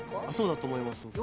そうだと思います。